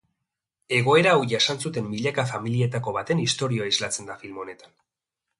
Egoera hau jasan zuten milaka familietako baten istorioa islatzen da film honetan.